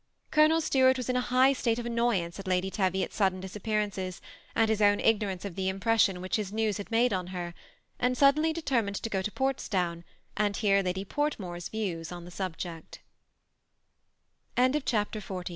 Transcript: Colonel Stuart was in a high state of annoyance at Lady Teviot's sudden disappearance, and his own igno rance of the impression which his news had made on her; and suddenly determined to go to Portsdown, and hear Lady Portmore's views on the